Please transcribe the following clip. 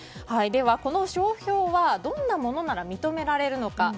では、この商標はどんなものなら認められるのか。